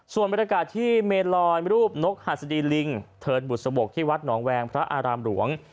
ส่วนบรรยากาศที่เมลอยรูปนกหัสดีลิงเทินบุษบกที่วัดหนองแวงพระอารามหลวง